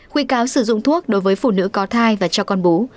khuyên cáo sử dụng thuốc đối với phụ nữ có thai và cho con bú